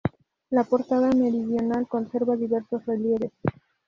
La portada meridional conserva diversos relieves.